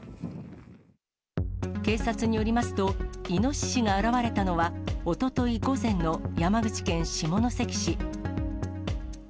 警察によりますと、イノシシが現れたのは、おととい午前の山口県下関市。